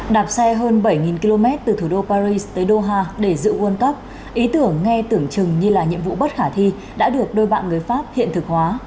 đạp xe hơn bảy km từ thủ đô paris tới doha để dự world cup ý tưởng nghe tưởng chừng như là nhiệm vụ bất khả thi đã được đôi bạn người pháp hiện thực hóa